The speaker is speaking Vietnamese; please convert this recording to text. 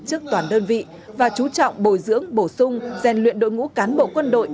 trước toàn đơn vị và chú trọng bồi dưỡng bổ sung rèn luyện đội ngũ cán bộ quân đội